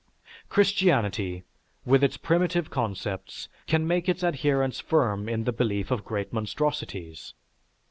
Christianity, with its primitive concepts, can make its adherents firm in the belief of great monstrosities.